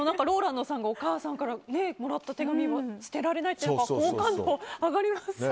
ＲＯＬＡＮＤさんがお母さんからもらった手紙を捨てられないって好感度上がりますよね。